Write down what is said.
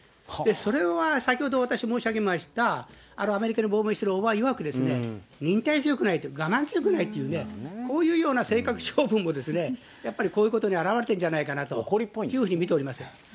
それは先ほど私、申し上げました、アメリカに亡命している叔母いわく、忍耐強くないと、我慢強くないという、こういうような性格、性分もやっぱりこういうことに表れているんじゃないかなというふ怒りっぽいと。